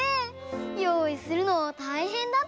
よういするのたいへんだったでしょ。